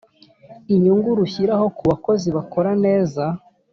inyungu rushyiraho kuba kozi bakora neza